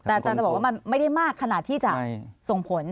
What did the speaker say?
แต่อาจารย์จะบอกว่ามันไม่ได้มากขนาดที่จะส่งผล